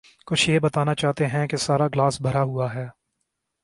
کچھ یہ بتانا چاہتے ہیں کہ سارا گلاس بھرا ہوا ہے۔